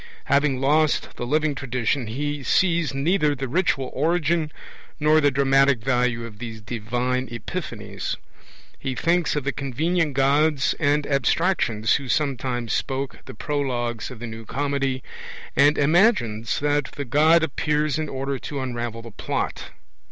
Having lost the living tradition, he sees neither the ritual origin nor the dramatic value of these divine epiphanies. He thinks of the convenient gods and abstractions who sometimes spoke the prologues of the New Comedy, and imagines that the God appears in order to unravel the plot.